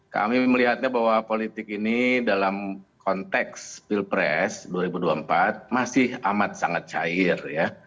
kami melihatnya bahwa politik ini dalam konteks pilpres dua ribu dua puluh empat masih amat sangat cair ya